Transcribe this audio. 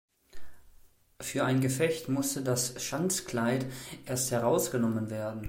Für ein Gefecht musste das Schanzkleid erst herausgenommen werden.